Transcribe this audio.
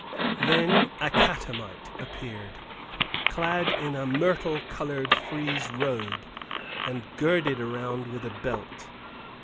Then a catamite appeared, clad in a myrtle colored frieze robe, and girded round with a belt.